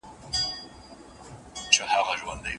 آیا مالش تر ګولیو خوړلو طبیعي دی؟